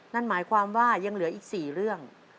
นั่นหมายความว่ายังเหลืออีก๔เรื่อง